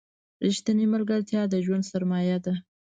رښتینې ملګرتیا د ژوند سرمایه ده.